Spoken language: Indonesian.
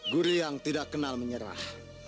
guriyang tidak kenal menyerah